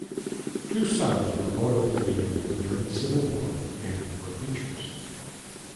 Two sons were loyal to the Union during the Civil War and were preachers.